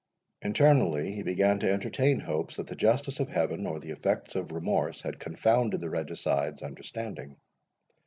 Internally he began to entertain hopes that the justice of Heaven, or the effects of remorse, had confounded the regicide's understanding.